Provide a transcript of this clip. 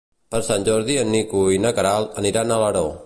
Per Sant Jordi en Nico i na Queralt aniran a Alaró.